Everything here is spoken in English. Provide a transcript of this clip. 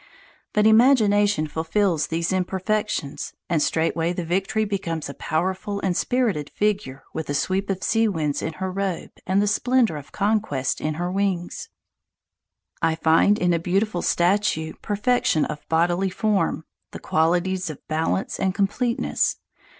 But imagination fulfils these imperfections, and straightway the Victory becomes a powerful and spirited figure with the sweep of sea winds in her robes and the splendour of conquest in her wings. I find in a beautiful statue perfection of bodily form, the qualities of balance and completeness.